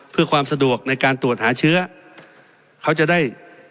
เพื่อความสะดวกในการตรวจหาเชื้อเขาจะได้